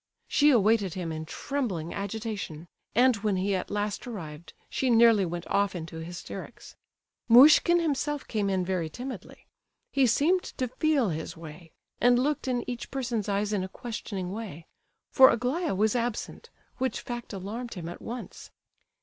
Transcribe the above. She awaited him in trembling agitation; and when he at last arrived she nearly went off into hysterics. Muishkin himself came in very timidly. He seemed to feel his way, and looked in each person's eyes in a questioning way,—for Aglaya was absent, which fact alarmed him at once.